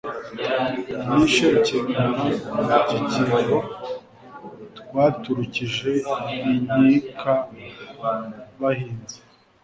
Nishe Rukimirana mu Gikingo twaturukije inkikabahizi